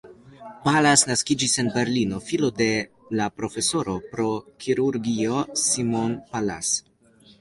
Pallas naskiĝis en Berlino, filo de la profesoro pro kirurgio Simon Pallas.